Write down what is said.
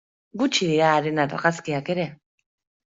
Gutxi dira haren argazkiak ere.